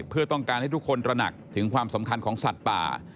เพื่อต้องการให้ทุกคนตระหนักถึงความสำคัญของสัตว์ป่า